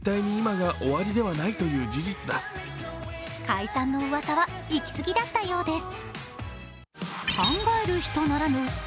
解散のうわさは行き過ぎだったようです。